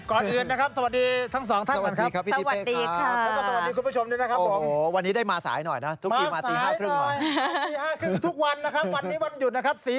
ก่อนอื่นนะครับสวัสดีทั้งสองท่านก่อนครับสวัสดีครับพี่ทิ้ดเป้ครับ